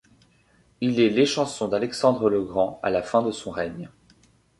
Il est l'échanson d'Alexandre le Grand à la fin de son règne.